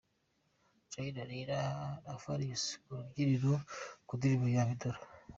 Charly na Nina & Farious ku rubyiniro mu ndirimbo yabo indoro.